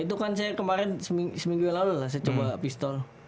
itu kan saya kemarin seminggu yang lalu lah saya coba pistol